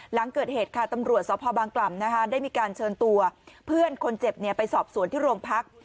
หลังเกิดเหตุค่ะตำรวจสพบางกล่ำได้มีการเชิญตัวเพื่อนคนเจ็บไปสอบสวนที่โรงพัก